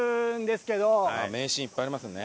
名シーンいっぱいありますよね。